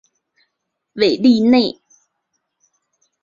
韦利内。